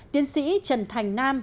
tiến sĩ trần thành nam